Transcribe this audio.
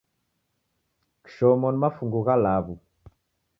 Kishomo ni mafungu gha law'u.